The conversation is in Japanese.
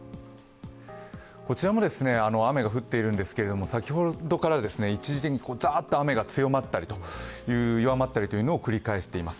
こちらも雨が降っているんですけれども、先ほどから一時的にざーっと雨が強まったり弱まったりというのを繰り返しています。